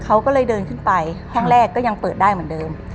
เขาก็เลยเดินขึ้นไปห้องแรกก็ยังเปิดได้เหมือนเดิม